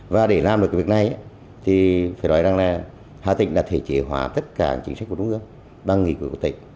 và để làm được việc này thì phải nói rằng là hạ tỉnh đã thể trị hỏa tất cả chính sách của trung quốc bằng nghị quyết của tỉnh